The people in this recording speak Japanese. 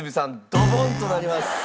ドボンとなります。